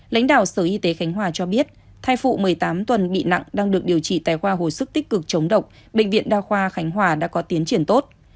lãnh đạo sở y tế khánh hòa cho biết thai phụ một mươi tám tuần bị nặng đang được điều trị tại khoa hồi sức tích cực chống độc bệnh viện đa khoa khánh hòa đã có tiến triển tốt